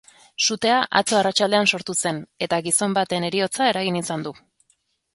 Sutea atzo arratsaldean sortu zen eta gizon baten heriotza eragin izan du.